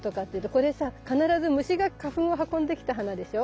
これさ必ず虫が花粉を運んできた花でしょ？